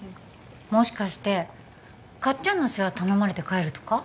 もしかしてカッちゃんの世話頼まれて帰るとか？